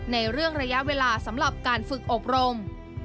ในเรื่องระยะเวลาสำหรับการฝึกอบรม